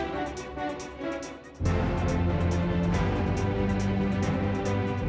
kita udah kesan